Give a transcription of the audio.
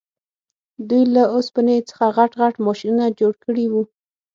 دوی له اوسپنې څخه غټ غټ ماشینونه جوړ کړي وو